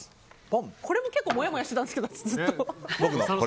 これも結構もやもやしてたんですけど。